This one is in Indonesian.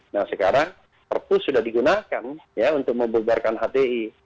nah sekarang perpu sudah digunakan untuk membuarkan hti